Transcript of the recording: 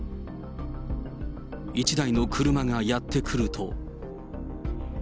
１台の車がやって来ると。